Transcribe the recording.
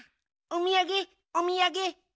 おみやげおみやげ。